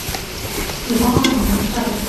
如果我唔噉做